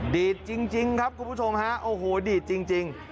ดีดจริงครับคุณผู้ชมฮะโอ้โหดีดจริง